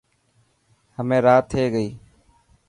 همي رات ٿي گئي.